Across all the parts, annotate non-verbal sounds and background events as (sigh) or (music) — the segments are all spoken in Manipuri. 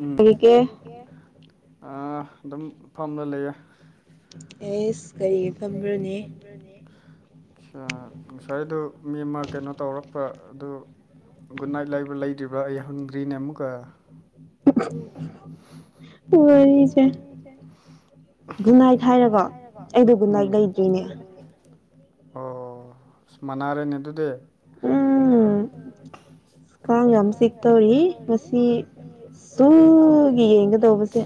ꯎꯝ ꯀꯩꯗꯧꯔꯤꯒꯦ ꯑ ꯑꯗꯨꯝ ꯐꯝꯃ ꯂꯩꯌꯦ ꯑꯦꯁ ꯀꯔꯤꯒꯤ ꯐꯝꯕ꯭ꯔꯅꯦ ꯕꯔꯅꯤ ꯉꯁꯥꯏꯗꯨ ꯃꯤ ꯑꯃ ꯀꯩꯅꯣ ꯇꯧꯔꯛꯄ ꯑꯗꯨ ꯒꯨꯗ ꯅꯥꯏꯠ ꯂꯩꯕ꯭ꯔꯥ ꯂꯩꯗ꯭ꯔꯤꯕ꯭ꯔ ꯑꯩ ꯍꯪꯗ꯭ꯔꯤꯅꯦ ꯑꯃꯨꯛꯀ (inaudible) (unintelligible) ꯒꯨꯠꯅꯥꯏꯠ ꯍꯥꯏꯔꯒ ꯑꯩꯗꯣ ꯒꯨꯠꯅꯥꯏꯠ ꯂꯩꯗ꯭ꯔꯤꯅꯦ ꯑꯣ ꯑꯁ ꯃꯥꯟꯅꯥꯔꯦꯅꯦ ꯑꯗꯨꯗꯤ ꯎꯝ ꯀꯥꯡ ꯌꯥꯝ ꯆꯤꯛꯇꯧꯔꯤ ꯉꯁꯤ ꯁꯨꯒꯤ ꯌꯦꯡꯒꯗꯧꯕꯁꯦ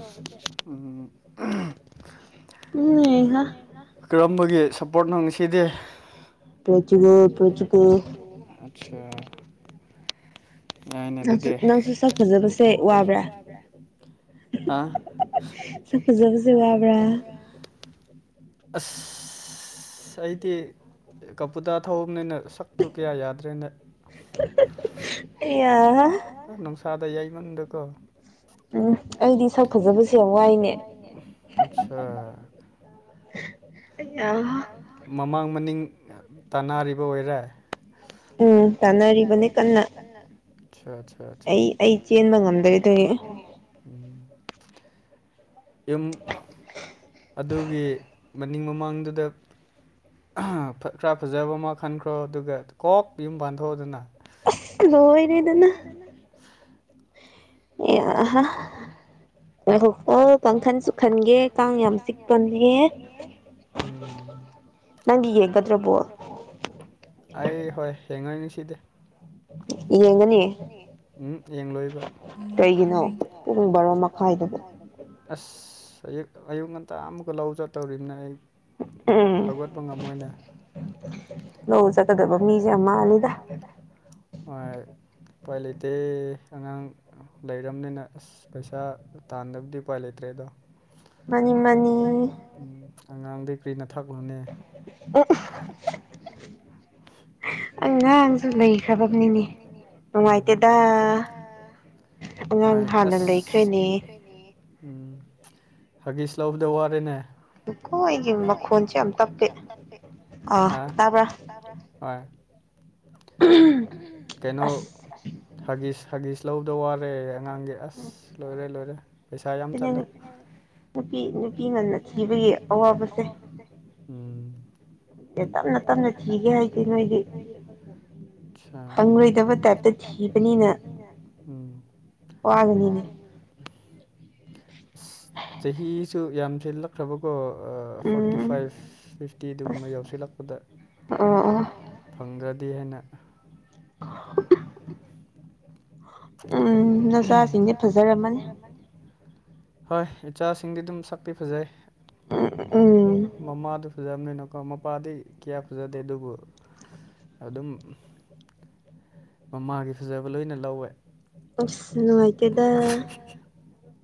ꯎꯝ (unintelligible) ꯀꯔꯝꯕꯒꯤ ꯁꯞꯄꯣꯔꯠꯅꯣ ꯉꯁꯤꯗꯤ ꯄꯣꯔꯇꯨꯒꯜ ꯄꯣꯔꯇꯨꯒꯜ ꯑꯆꯥꯥ ꯌꯥꯥꯏꯅꯦ ꯑꯗꯨꯗꯤ ꯅꯪꯁꯦ ꯁꯛ ꯐꯖꯕꯁꯦ ꯋꯥꯕ꯭ꯔꯥ ꯍꯥ ꯁꯛ ꯐꯖꯕꯁꯦ ꯋꯥꯕ꯭ꯔꯥ ꯑꯁ ꯑꯩꯗꯤ ꯀꯕꯨꯇꯥ ꯊꯧꯑꯝꯅꯤꯅ ꯁꯛ ꯇꯨ ꯀꯌꯥ ꯌꯥꯗ꯭ꯔꯦꯅꯦ ꯑꯌꯥ ꯅꯨꯡꯁꯥꯗ ꯌꯩꯃꯟꯗꯀꯣ ꯎꯝ ꯑꯩꯩꯗꯤ ꯁꯛ ꯐꯖꯕꯁꯦ ꯌꯥꯝ ꯋꯥꯏꯅꯦ ꯑꯆꯥ (unintelligible) ꯃꯃꯥꯡ ꯃꯅꯤꯡ ꯇꯥꯅꯔꯤꯕ ꯑꯣꯏꯔꯦ ꯎꯝ ꯇꯥꯟꯅꯔꯤꯕꯅꯦ ꯀꯟꯅ ꯑꯆꯥ ꯆꯥ ꯆꯥ ꯑꯩ ꯑꯩ ꯆꯦꯟꯕ ꯉꯝꯗ꯭ꯔꯦ ꯑꯗꯨꯒꯤ ꯎꯝ ꯌꯨꯝ ꯑꯗꯨꯒꯤ ꯃꯅꯤꯡ ꯃꯃꯥꯡꯗꯨꯗ ꯈꯔ ꯐꯖꯕ ꯑꯃ ꯈꯟꯈ꯭ꯔꯣ ꯑꯗꯨꯒ ꯀꯣꯛ ꯌꯨꯝ ꯄꯥꯥꯟꯊꯣꯛꯑꯣꯗꯅ ꯑꯁ ꯂꯣꯏꯔꯦꯗꯅ ꯑꯦ (unintelligible) ꯉꯥꯏꯈꯣꯀꯣ ꯀꯥꯡꯈꯟꯁꯨꯨ ꯈꯟꯒꯦ ꯀꯥꯡ ꯌꯥꯝ ꯆꯤꯛꯄꯅꯦ ꯎꯝ ꯅꯪꯗꯤ ꯌꯦꯡꯒꯗ꯭ꯔꯣ ꯕꯣꯜ ꯑꯩ ꯍꯣꯏ ꯌꯦꯡꯉꯣꯏ ꯉꯁꯤꯗꯤ ꯌꯦꯡꯒꯅꯤ ꯎꯝ ꯌꯦꯡꯂꯣꯏꯕ ꯀꯩꯒꯤꯅꯣ ꯄꯨꯡ ꯚꯥꯔꯣ ꯃꯈꯥꯏꯗꯕꯨ ꯑꯁ ꯑꯌꯨꯛ ꯑꯌꯨꯛ ꯉꯟꯇꯥ ꯑꯃꯨꯛꯀ ꯂꯧ ꯆꯠꯇꯧꯔꯤꯝꯅꯦ ꯑꯩ ꯍꯧꯒꯠꯄ ꯉꯝꯃꯣꯏꯅꯦ ꯂꯧ ꯆꯠꯀꯗꯕ ꯃꯤꯖꯦ ꯌꯥꯝ ꯃꯥꯜꯂꯤꯗ ꯍꯣꯏ ꯎꯄꯥꯏ ꯂꯩꯇꯦ ꯑꯉꯥꯡ ꯂꯩꯔꯝꯅꯤꯅ ꯑꯁ ꯄꯩꯁꯥ ꯇꯥꯟꯗꯕꯗꯤ ꯎꯄꯥꯏ ꯂꯩꯇ꯭ꯔꯦ ꯗꯣ ꯃꯥꯟꯅꯤ ꯃꯥꯟꯅꯤ ꯎꯝ ꯑꯉꯥꯡꯗꯤ ꯀꯔꯤꯅ ꯊꯛꯂꯨꯅꯦ (unintelligible) (inaudible) ꯑꯩꯉꯥꯡꯁꯨ ꯂꯩꯈ꯭ꯔꯕꯅꯤꯅꯦ ꯅꯨꯡꯉꯥꯏꯇꯦꯗ ꯍꯣꯏ ꯑꯁ ꯎꯝ ꯍꯥꯒꯤꯁ ꯂꯧꯕꯗ ꯋꯥꯔꯦꯅꯦ ꯅꯈꯣꯏꯒꯤ ꯃꯈꯣꯟꯁꯦ ꯌꯥꯝ ꯇꯞꯄꯦ ꯑꯥ ꯇꯥꯕ꯭ꯔꯥ ꯇꯥꯏ (unintelligible) ꯀꯩꯅꯣ ꯍꯥꯒꯤꯁ ꯍꯥꯒꯤꯁ ꯂꯧꯕꯗ ꯋꯥꯠꯂꯦꯌꯦ ꯑꯉꯥꯡꯒꯤ ꯑꯁ ꯂꯣꯏꯔꯦ ꯂꯣꯏꯔꯦ ꯄꯩꯁꯥ ꯌꯥꯝ ꯆꯠꯂꯦ ꯅꯨꯄꯤ ꯅꯨꯄꯤ ꯉꯟꯅ ꯊꯤꯕꯒꯤ ꯑꯋꯥꯕꯁꯦ ꯇꯞꯅ ꯇꯞꯅ ꯊꯤꯒꯦ ꯍꯥꯏꯗꯤ ꯅꯣꯏꯗꯤ ꯐꯪꯉꯣꯏꯗꯕ ꯇꯥꯏꯞꯇ ꯊꯕꯅꯤꯅ ꯋꯥꯅꯤ ꯑꯁ ꯆꯍꯤꯁꯨ ꯌꯥꯝꯖꯤꯜꯂꯛ ꯈ꯭ꯔꯕꯀꯣ ꯐꯣꯔꯇꯤ ꯐꯥꯏꯚ ꯐꯤꯐꯇꯤ ꯑꯗꯨꯒꯨꯝꯕ ꯌꯧꯁꯤꯜꯂꯛꯄꯗ ꯑꯣ ꯑꯣ ꯐꯪꯗ꯭ꯔꯗꯤ ꯍꯥꯏꯅ (inaudible) ꯎꯝ ꯅꯆꯥꯁꯤꯡꯗꯤ ꯐꯖꯔꯝꯃꯅꯤ ꯍꯣꯏ ꯏꯆꯥꯁꯤꯡꯗꯤ ꯑꯗꯨꯝ ꯁꯛꯇꯤ ꯐꯖꯩ ꯑ ꯎꯝ ꯃꯃꯥꯗꯣ ꯐꯖꯕꯅꯤꯅꯀꯣ ꯃꯄꯥꯗꯤ ꯀꯌꯥ ꯐꯖꯗꯦ ꯑꯗꯨꯕꯨ ꯑꯗꯨꯝ ꯃꯃꯥꯒꯤ ꯐꯖꯕ ꯂꯣꯏꯅ ꯂꯧꯋꯦ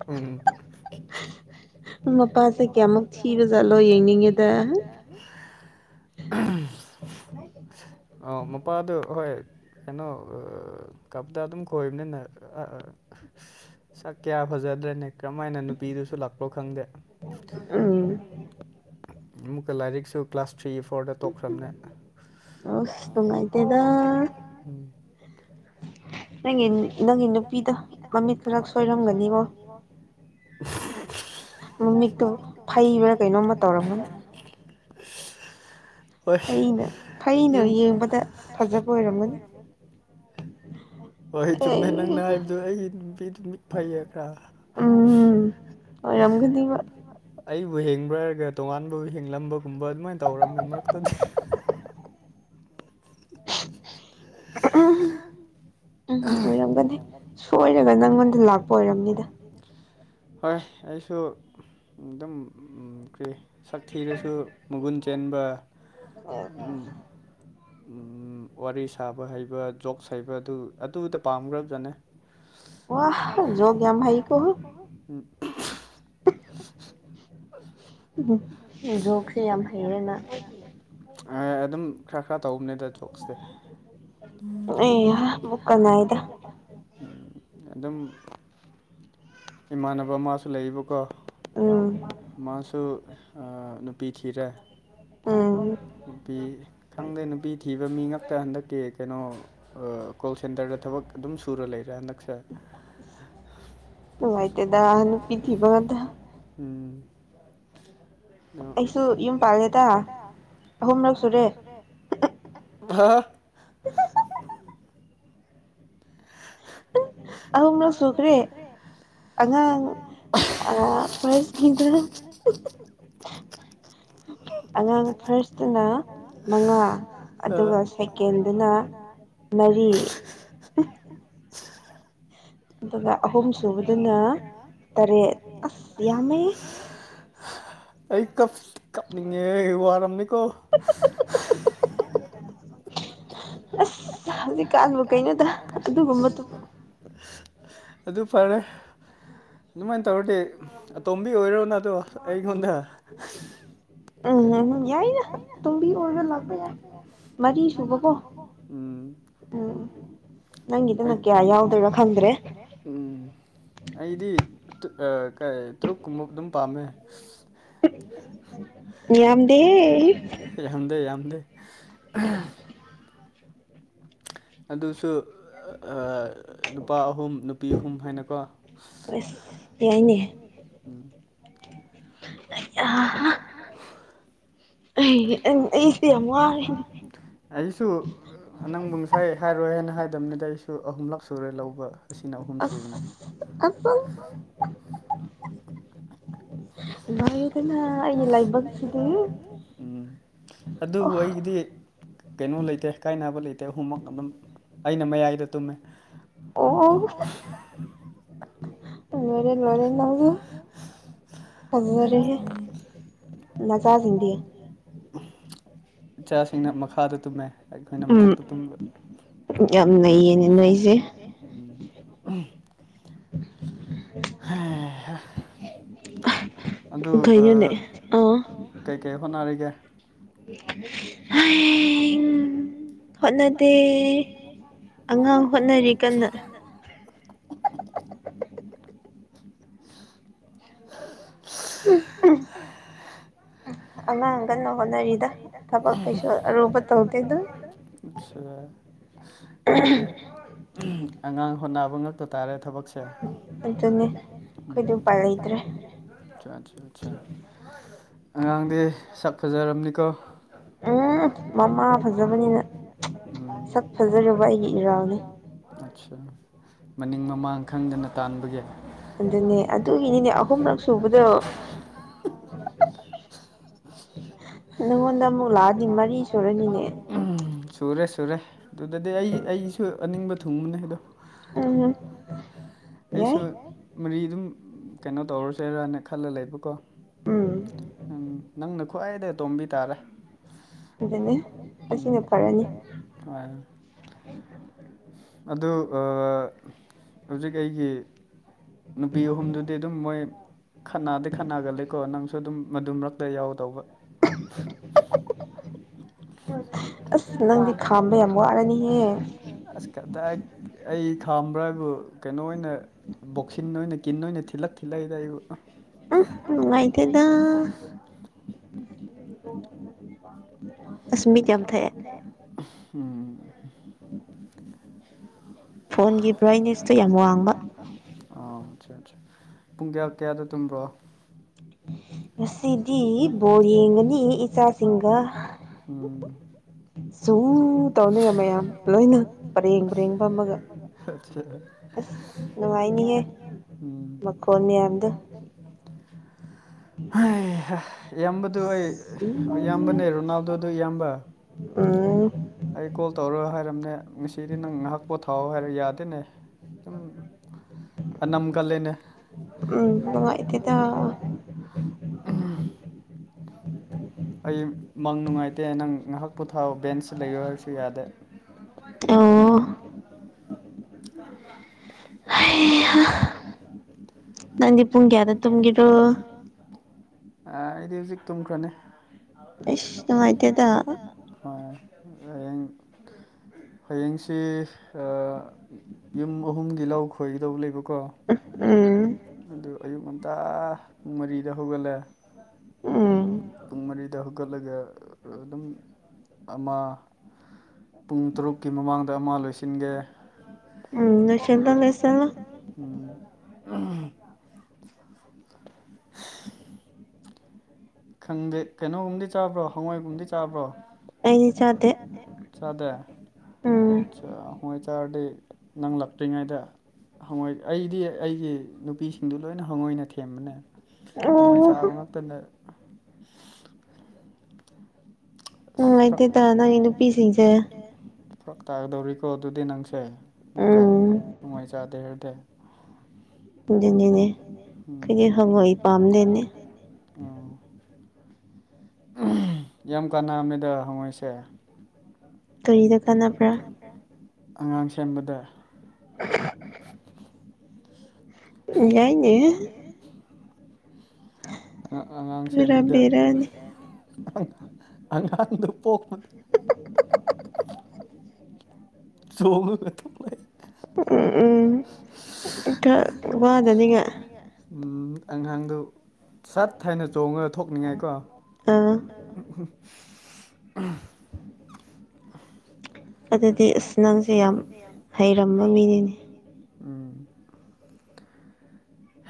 ꯎꯝ ꯃꯄꯥꯁꯦ ꯀꯌꯥꯃꯨꯛ ꯊꯤꯕ ꯖꯥꯠꯂꯣ ꯌꯦꯡꯅꯤꯡꯉꯦꯗ ꯑ ꯃꯄꯥꯗꯨ ꯍꯣꯏ ꯀꯩꯅꯣ ꯑ ꯀꯞꯗ ꯑꯗꯨꯝ ꯈꯃꯤꯅꯦ ꯅ ꯁꯛ ꯀꯌꯥ ꯐꯖꯗ꯭ꯔꯦꯅꯦ ꯀꯔꯝ ꯍꯥꯏꯅ ꯅꯨꯄꯤꯗꯨꯁꯨ ꯂꯥꯛꯄ ꯈꯪꯗꯦ ꯎꯝ ꯑꯃꯨꯛꯀ ꯂꯥꯏꯔꯤꯛꯁꯨ ꯀ꯭ꯂꯥꯁ ꯊ꯭ꯔꯤ ꯐꯣꯔꯗ ꯇꯣꯛꯈ꯭ꯔꯝꯅꯦ ꯑꯁ ꯅꯨꯡꯉꯥꯏꯇꯦꯗ ꯎꯝ ꯅꯪꯒꯤ ꯅꯪꯒꯤ ꯅꯨꯄꯤꯗ ꯃꯃꯤꯠ ꯈꯔꯛ ꯁꯣꯏꯔꯝꯒꯅꯤꯕꯣ ꯃꯃꯤꯠꯇꯨ ꯐꯩꯕ꯭ꯔꯥ ꯀꯩꯅꯣꯝ ꯇꯧꯔꯝꯒꯅꯤ ꯐꯩꯅ ꯐꯩꯅ ꯌꯦꯡꯕꯗ ꯐꯥꯖꯕ ꯑꯣꯏꯔꯝꯒꯅꯤ ꯍꯣꯏ ꯆꯨꯝꯃꯦ ꯅꯪꯅ ꯍꯥꯏꯕꯗꯨ ꯑꯩ ꯅꯨꯄꯤꯗꯨ ꯃꯤꯠ ꯐꯩꯌꯦ ꯈꯔꯥ ꯎꯝ ꯀꯥꯏꯔꯝꯒꯅꯤꯕꯣ ꯑꯩꯕꯨ ꯍꯦꯡꯕ꯭ꯔꯥ ꯍꯥꯏꯔꯒ ꯇꯣꯉꯥꯟꯕ ꯍꯦꯡꯂꯕꯒꯨꯝꯕ ꯑꯗꯨꯃꯥꯏꯅ ꯇꯧꯔꯝꯃꯦ ꯃꯔꯛꯇꯒꯤ ꯎꯝ ꯑꯣꯏꯔꯝꯒꯅꯤ ꯁꯣꯏꯔꯥꯒ ꯅꯪꯉꯣꯟꯗ ꯂꯥꯛꯄ ꯑꯣꯏꯔꯝꯅꯤꯗ ꯌꯦꯗ ꯍꯣꯏ ꯑꯩꯁꯨ ꯑꯗꯨꯝ ꯀꯔꯤ ꯁꯛ ꯊꯤꯔꯥꯁꯨ ꯃꯥꯒꯨꯟ ꯆꯦꯟꯕ ꯑꯗꯨꯝ ꯋꯥꯔꯤ ꯁꯥꯕ ꯍꯩꯕ ꯖꯣꯛꯁ ꯍꯩꯕ꯭ꯔꯥ ꯑꯗꯨ ꯑꯗꯨꯗ ꯄꯥꯝꯈ꯭ꯔꯕꯖꯥꯠꯅꯦ ꯑꯣ ꯖꯣꯛ ꯌꯥꯝ ꯍꯩꯀꯣ ꯎꯝ ꯎꯝ ꯖꯣꯛꯁꯦ ꯌꯥꯝ ꯍꯩꯌꯦꯅ ꯑꯗꯨꯝ ꯈꯥꯔ ꯈꯥꯔ ꯇꯧꯕꯅꯤꯗ ꯖꯣꯛꯁꯦ ꯎꯝ ꯑꯗꯨꯝ ꯏꯃꯥꯟꯅꯕ ꯃꯥꯁꯨ ꯂꯩꯌꯦꯕꯀꯣ ꯎꯝ ꯃꯥꯁꯨ ꯅꯨꯄꯤ ꯊꯤꯔꯦ ꯅꯨꯄꯤ ꯈꯪꯗꯦ ꯅꯨꯄꯤ ꯊꯤꯕ ꯃꯤ ꯉꯥꯛꯇ ꯍꯟꯗꯛ ꯀꯤ ꯀꯩꯅꯣ ꯀꯣꯜ ꯁꯦꯟꯇꯔꯗ ꯊꯕꯛ ꯑꯗꯨꯝ ꯁꯨꯔꯥ ꯂꯩꯔꯦ ꯍꯟꯗꯛꯁꯦ ꯅꯨꯡꯉꯥꯏꯇꯦꯗ ꯅꯨꯄꯤ ꯊꯤꯕ ꯉꯥꯛꯇ ꯎꯝ ꯑꯩꯁꯨ ꯌꯨꯝ ꯄꯥꯜꯂꯦꯗ ꯑꯍꯨꯝꯂꯛ ꯁꯨꯔꯦ ꯍ (unintelligible) ꯍꯥ ꯍꯥ ꯎꯝ ꯑꯍꯨꯝꯂꯛ ꯁꯨꯈ꯭ꯔꯦ ꯑꯉꯥꯡ ꯐꯣꯔꯦꯁꯀꯤꯗꯅ (unintelligible) ꯑꯉꯥꯡ ꯐꯥꯔ꯭ꯦꯁꯇꯥꯅ ꯃꯉꯥ ꯑꯗꯨꯒ ꯁꯦꯀꯦꯟꯗꯥꯅ (unintelligible) ꯑꯗꯨꯒ ꯑꯍꯨꯝ ꯁꯨꯕꯗꯅ ꯇꯔꯦꯠ ꯑꯩ ꯀꯞꯐ ꯀꯞꯅꯤꯡꯉꯦ ꯋꯥꯔꯝꯅꯤꯀꯣ ꯍꯥ ꯑꯁ ꯍꯧꯖꯤꯛꯀꯥꯟꯕꯨ ꯀꯩꯅꯣꯗ ꯑꯗꯨꯒꯨꯝꯕꯗꯨꯕꯨ ꯑꯗꯨ ꯐꯥꯔꯦ ꯑꯗꯨꯃꯥꯏꯅ ꯇꯧꯔꯗꯤ ꯑꯇꯣꯝꯕꯤ ꯑꯣꯏꯔꯣꯅ ꯑꯗꯣ ꯎꯝ ꯌꯥꯏꯅ ꯑꯇꯣꯝꯕꯤ ꯑꯣꯏꯕ ꯂꯥꯛꯄ ꯌꯥꯏ ꯎ ꯎꯝ ꯅꯪꯒꯤꯗꯅ ꯀꯌꯥ ꯌꯥꯎꯗꯣꯏꯔꯣ ꯈꯪꯗ꯭ꯔꯦ ꯎꯝ ꯑꯩꯗꯤ ꯑ ꯀꯩ ꯇ꯭ꯔꯨꯛ ꯀꯨꯝꯕ ꯑꯗꯨꯝ ꯄꯥꯝꯃꯦ ꯌꯥꯗꯦ ꯍꯟꯗꯦ ꯌꯥꯗꯦ ꯑꯗꯨꯁꯨ ꯅꯨꯄꯥ ꯑꯍꯨꯝ ꯅꯨꯄꯤ ꯑꯍꯨꯝ ꯍꯥꯏꯅꯀꯣ ꯎꯝ ꯑꯩ ꯑꯩꯁꯤ ꯌꯥꯝ ꯋꯥꯔꯦꯅꯦ ꯑꯩꯁꯨ ꯅꯪꯕꯨ ꯉꯁꯥꯏ ꯍꯥꯏꯔꯣꯏ ꯍꯥꯏꯅ ꯍꯥꯏꯗꯕꯅꯤꯗ ꯑꯩꯁꯨ ꯑꯍꯨꯝꯂꯛ ꯁꯨꯔꯦ ꯂꯧꯕ ꯑꯁ ꯂꯣꯏꯔꯦꯗꯅ ꯑꯩꯒꯤ ꯂꯥꯏꯕꯛꯁꯤꯗꯤ ꯑꯗꯨꯕꯨ ꯑꯩꯗꯤ ꯀꯩꯅꯣ ꯂꯩꯇꯦ ꯀꯥꯏꯅꯕ ꯂꯩꯇꯦ ꯑꯍꯨꯝꯃꯛ ꯑꯗꯨꯝ ꯑꯩꯅ ꯃꯌꯥꯏꯗ ꯇꯨꯝꯃꯦ ꯑꯣ ꯂꯣꯏꯔꯦ ꯂꯣꯏꯔꯦ ꯅꯕ (unintelligible) ꯃꯖꯥꯖꯗꯤ (unintelligible) ꯏꯆꯥꯁꯤꯡꯅ ꯃꯈꯥꯗ ꯇꯨꯝꯃꯦ ꯑꯩꯈꯣꯏꯅ ꯃꯊꯛꯇ ꯇꯨꯝꯕ (unintelligible) ꯑꯗꯨ ꯑ ꯀꯩꯀꯩ ꯍꯣꯠꯅꯔꯤꯒꯦ ꯍꯩ (unintelligible) ꯍꯣꯠꯅꯗꯦ ꯑꯉꯥꯡ ꯍꯣꯠꯅꯔꯤ ꯀꯟꯅ (unintelligible) ꯑꯉꯥꯡ ꯀꯟꯅ ꯍꯣꯠꯅꯔꯤꯗ ꯊꯕꯛ ꯀꯩꯁꯨ ꯑꯔꯨꯕ ꯇꯧꯗꯦꯗ ꯑꯆꯥ (unintelligible) ꯀꯔꯤ ꯑꯉꯥꯡ ꯍꯣꯠꯅꯕ ꯉꯥꯛꯇ ꯇꯥꯔꯦ ꯊꯕꯛꯁꯦ ꯆꯨꯝꯃꯦ ꯑꯗꯨ (unintelligible) ꯑꯗꯨ (unintelligible) ꯄꯔꯗ꯭ꯔꯦ (unintelligible) ꯑ (unintelligible) ꯑꯠꯆꯥ (unintelligible) ꯑꯠ (unintelligible) ꯑꯉꯥꯡꯗꯤ ꯁꯛ ꯐꯖꯔꯝꯅꯤꯀꯣ ꯑꯦ (unintelligible) ꯃꯃꯖ (unintelligible) ꯆ (unintelligible) ꯊꯖ (unintelligible) ꯑꯠꯁꯥ ꯃꯅꯤꯡ ꯃꯃꯥꯡ ꯈꯪꯗꯅ ꯇꯥꯟꯕꯒꯤ ꯑꯗꯨꯅꯦ ꯑꯗꯨꯒꯤꯅꯤꯅꯦ ꯑꯍꯨꯝꯔꯛ ꯁꯨꯕꯗꯣ (unintelligible) ꯅꯪꯉꯣꯟꯗ ꯑꯃꯨꯛ ꯂꯥꯛꯑꯗꯤ ꯃꯔꯤ ꯁꯨꯔꯅꯤꯅꯦ ꯁꯨꯔꯦ ꯁꯨꯔꯦ ꯑꯗꯨꯗꯗꯤ ꯑꯩ ꯑꯩꯁꯨ ꯑꯅꯤꯡꯕ ꯊꯨꯡꯕꯅꯦꯗ ꯎꯝ ꯌꯥꯏ ꯃꯔꯤ ꯑꯗꯨꯝ ꯀꯩꯅꯣ ꯇꯧꯔꯁꯤꯔꯅ ꯈꯜꯂ ꯂꯩꯕꯀꯣ ꯅꯪꯅ ꯈꯋꯥꯏꯗꯒꯤ ꯑꯇꯣꯝꯕꯤ ꯇꯥꯔꯦ ꯍꯣꯏ ꯑꯗꯨ ꯑ ꯍꯧꯖꯤꯛ ꯑꯩꯒꯤ ꯅꯨꯄꯤ ꯑꯍꯨꯝꯗꯨꯗꯤ ꯑꯗꯨꯝ ꯃꯣꯏ ꯈꯠꯅꯗꯤ ꯈꯠꯅꯒꯜꯂꯤꯀꯣ ꯅꯪꯁꯨ ꯑꯗꯨꯝ ꯃꯗꯨꯝꯔꯛ ꯗ ꯌꯥꯎꯗꯧꯕ ꯑꯁ ꯅꯪꯗꯤ ꯈꯥꯝꯕ ꯌꯥꯝ ꯋꯥꯔꯅꯤꯌꯦ ꯑꯁ ꯀꯗꯥꯏ ꯑꯩ ꯈꯥꯝꯕ꯭ꯔꯥꯕꯨ ꯀꯩꯅꯣ ꯑꯣꯏꯅ ꯕꯣꯛꯁꯤꯟ ꯑꯣꯏꯅ ꯀꯤꯟ ꯑꯣꯏꯅ ꯊꯤꯜꯂꯛ ꯊꯤꯜꯂꯛꯏꯗ ꯑꯩꯕꯨ ꯎꯝ ꯅꯨꯡꯉꯥꯏꯇꯦꯗ (unintelligible) ꯐꯣꯟꯒꯤ ꯕ꯭ꯔꯥꯏꯠꯅꯦꯁꯁꯦ ꯌꯥꯝ ꯋꯥꯡꯕ ꯑꯣ ꯑꯠꯆꯥ ꯑꯠꯆꯥ ꯄꯨꯡ ꯀꯌꯥ ꯀꯌꯥꯗ ꯇꯨꯝꯕ꯭ꯔꯣ ꯉꯁꯤꯗꯤ ꯕꯣꯜ ꯌꯦꯡꯒꯅꯤ ꯏꯆꯥꯁꯤꯡꯒ ꯁꯨ ꯇꯧꯅꯤꯡꯉꯥꯏ ꯃꯌꯥꯝ ꯂꯣꯏꯅ ꯄꯔꯦꯡ ꯄꯔꯦꯡ ꯐꯝꯃꯒ ꯅꯨꯡ (unintelligible) ꯍꯩꯍꯥ ꯏꯌꯥꯝꯕꯗꯨ ꯑꯩ ꯏꯌꯥꯝꯕꯅꯦ ꯔꯣꯅꯥꯜꯗꯣꯗꯨ ꯏꯌꯥꯝꯕ ꯑꯣ ꯑꯩ ꯀꯣꯜ ꯇꯧꯔ ꯍꯥꯏꯔꯝꯅꯦ ꯉꯁꯤꯗꯤ ꯅꯪ ꯉꯥꯏꯍꯥꯛ ꯄꯣꯠ ꯊꯥꯎꯑꯣ ꯍꯥꯏꯔꯣ ꯌꯥꯗꯦꯅꯦ ꯎꯝ ꯑ ꯅꯝꯀꯂꯦꯅꯦ ꯎꯝ ꯃ ꯏꯇꯗ ꯎꯝ ꯑꯩ ꯃꯪ ꯅꯨꯡꯉꯥꯏꯇꯦ ꯅꯪ ꯉꯥꯏꯍꯥꯛ ꯄ ꯄꯨꯊꯥꯕ ꯕꯦꯟꯁꯁꯨ ꯂꯩꯌꯨ ꯍꯥꯏꯔꯁꯨ ꯌꯥꯗꯦ ꯑꯣ ꯅꯟꯗꯤ ꯄꯨꯡꯒꯦꯗ ꯇꯨꯡꯒꯤꯔꯣ ꯑꯩꯗꯤ ꯍꯧꯖꯤꯛ ꯇꯨꯝꯈ꯭ꯔꯅꯤ ꯏꯁ ꯃꯥꯥꯏꯇ ꯑꯗ ꯍ ꯍꯌꯦꯡ ꯍꯌꯦꯡꯁꯤ ꯌꯨꯝ ꯑꯍꯨꯝꯒꯤ ꯂꯥꯎ ꯈꯣꯏꯒꯗꯧꯕ ꯂꯩꯕꯀꯣ ꯎꯝ ꯑꯗꯨ ꯑꯌꯨꯛ ꯉꯟꯇꯥ ꯄꯨꯡ ꯃꯔꯤꯗ ꯍꯧꯒꯠꯂꯦ ꯄꯨꯡ ꯃꯔꯤꯗ ꯍꯧꯀꯠꯂꯒ ꯑꯗꯨꯝ ꯑꯃ ꯄꯨꯡ ꯇꯔꯨꯛꯀꯤ ꯃꯃꯥꯡꯗ ꯑꯃ ꯂꯣꯏꯁꯤꯟꯒꯦ ꯎꯝꯁꯗꯅꯁꯂ ꯎꯝ ꯈꯪꯗꯦ ꯀꯩꯅꯣꯒꯨꯝꯕꯗꯤ ꯆꯥꯕ꯭ꯔꯣ ꯍꯋꯥꯏꯒꯨꯝꯕꯗꯤ ꯆꯥꯕ꯭ꯔꯣ ꯗ ꯑꯆꯥ ꯃ ꯑꯣꯏꯇꯥꯔꯗꯤ ꯅꯪ ꯂꯥꯛꯇ꯭ꯔꯤꯉꯩꯗ ꯍꯪꯣꯏ ꯑꯩꯗꯤ ꯑꯩꯒꯤ ꯅꯨꯄꯤꯁꯤꯡꯗꯨ ꯂꯣꯏꯅ ꯍꯉꯣꯏꯅ ꯊꯦꯝꯕꯅꯦ ꯍꯪꯒꯣꯏ ꯆꯥꯕ ꯉꯛꯇꯗ ꯅꯨꯡꯉꯥꯏꯇꯦꯗ ꯅꯪꯒꯤ ꯅꯨꯄꯤꯁꯤꯡꯁꯦ ꯐꯛ ꯇꯥꯒꯗꯧꯔꯤꯀꯣ ꯑꯗꯨꯗꯤ ꯅꯪꯁꯦ ꯑꯃꯨꯛꯀ ꯅꯨꯡꯉꯥꯏ ꯆꯥꯗꯦꯔꯗꯤꯦ ꯅꯦ ꯀ ꯍꯋꯥꯏ ꯄꯥꯝꯗꯅꯦ ꯌꯥꯝ ꯀꯥꯟꯅꯝꯃꯤꯗ ꯍꯣꯏꯁꯦ ꯇꯨꯔꯤꯗ ꯀꯥꯟꯅꯕ꯭ꯔꯥ ꯑꯉꯥꯡ ꯁꯦꯝꯕꯗ ꯑ ꯌꯥꯏꯅꯦ ꯑꯉꯥꯡ ꯁꯦꯝꯕꯗ ꯑꯉꯥꯡꯗꯨ ꯄꯣꯛꯄ ꯆꯣꯡꯉꯒ ꯊꯝꯂꯥꯏ ꯎꯝ ꯎꯝ ꯈꯔ ꯋꯥꯗꯅꯤꯉ ꯎ ꯑꯉꯥꯡꯗꯨ ꯁꯠ ꯊꯥꯏꯅ ꯆꯣꯡꯉꯒ ꯊꯣꯛꯅꯤꯡꯉꯥꯏꯀꯣ ꯑꯥ ꯑ ꯑꯗꯨꯗꯤ ꯑꯁ ꯅꯪꯁꯦ ꯌꯥꯝ ꯍꯩꯔꯝꯕ ꯃꯤꯅꯤꯅꯦ ꯎꯝ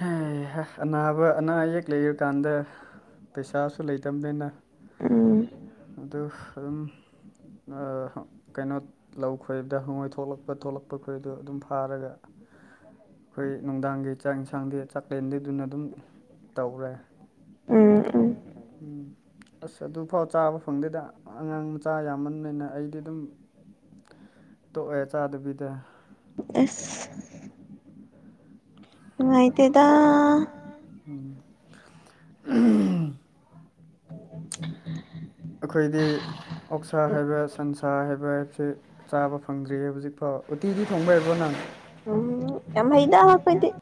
ꯍ ꯑꯅꯥꯕ ꯑꯅꯥ ꯑꯌꯦꯛ ꯂꯩꯔꯀꯥꯟꯗ ꯄꯩꯁꯥꯁꯨ ꯂꯩꯇꯕꯅꯤꯅ ꯑꯝ ꯑꯗꯨ ꯑꯗꯨꯝ ꯀꯩꯅꯣ ꯂꯧ ꯈꯣꯏꯕꯗ ꯍꯪꯋꯥꯣꯏ ꯊꯣꯛꯂꯛꯄ ꯊꯣꯛꯂꯛꯄ ꯈꯣꯏꯕꯗꯣ ꯑꯗꯨꯝ ꯐꯥꯔꯒ ꯑꯩꯈꯣꯏ ꯅꯨꯡꯗꯥꯡꯒꯤ ꯆꯥꯛ ꯏꯟꯁꯥꯡꯗꯤ ꯆꯥꯛꯂꯦꯟꯗꯤꯗꯨꯅ ꯑꯗꯨꯝ ꯇꯧꯔꯦ ꯎꯝ ꯑꯁ ꯑꯗꯨꯐꯥꯎ ꯆꯥꯕ ꯐꯪꯗꯦꯗ ꯑꯉꯥꯡ ꯃꯆꯥ ꯌꯥꯝꯃꯅꯤꯅ ꯑꯩꯗꯤ ꯑꯗꯨꯝ ꯇꯣꯛꯑꯦ ꯆꯥꯗꯕꯤꯗ ꯉꯥꯏ ꯇꯦꯗ ꯎꯝ ꯑꯈꯣꯏꯗꯤ ꯑꯣꯛꯁꯥ ꯍꯥꯏꯕ ꯁꯟꯁꯥ ꯍꯥꯏꯕ ꯆꯦ ꯆꯥꯕ ꯐꯪꯗ꯭ꯔꯤꯌꯦ ꯍꯨꯖꯤꯛꯐꯥꯎ ꯎꯇꯤꯗꯤ ꯊꯣꯡꯕ ꯍꯩꯕ꯭ꯔꯣ ꯅꯪ꯫ ꯌꯥꯝ ꯍꯩꯗꯥ ꯑꯈꯣꯢꯗꯤ